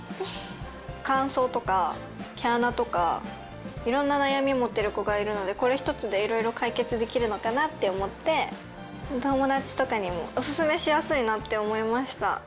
乾燥とか毛穴とかいろんな悩み持ってる子がいるのでこれ一つでいろいろ解決できるのかなって思って友達とかにもお薦めしやすいなって思いました。